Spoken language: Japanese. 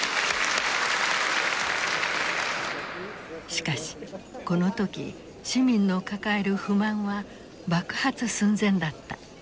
しかしこの時市民の抱える不満は爆発寸前だった。